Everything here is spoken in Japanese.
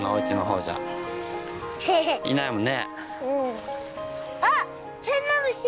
うん。